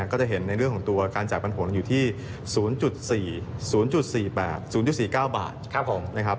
ก็จะเห็นในเรื่องของตัวการจ่ายปันผลอยู่ที่๐๔๐๔๙บาทนะครับ